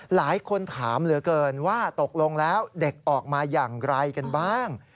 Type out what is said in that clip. หลายคนถามเหลือเกินว่าตกลงแล้วเด็กออกมาอย่างไรกันบ้าง